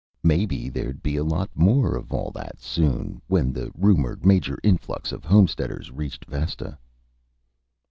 Maybe there'd be a lot more of all that, soon, when the rumored major influx of homesteaders reached Vesta.